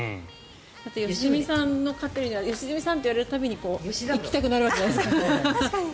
良純さんが飼ったら良純さんって言われる度に行きたくなるわけじゃないですか。